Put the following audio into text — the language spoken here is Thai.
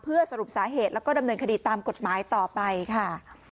เพื่อสรุปสาเหตุแล้วก็ดำเนินคดีตามกฎหมายต่อไปค่ะ